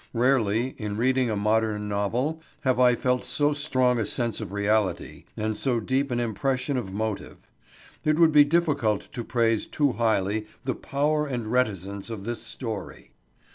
Rarely in reading a modern novel have I felt so strong a sense of reality and so deep an impression of motive. It would be difficult to praise too highly the power and the reticence of this story.